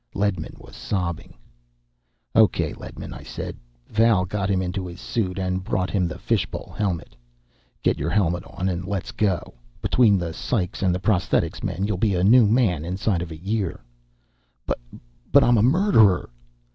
Ledman was sobbing. "Okay, Ledman," I said. Val got him into his suit, and brought him the fishbowl helmet. "Get your helmet on and let's go. Between the psychs and the prosthetics men, you'll be a new man inside of a year." "But I'm a murderer!"